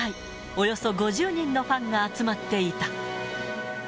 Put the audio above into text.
およそ５０人のファンが集まっていた。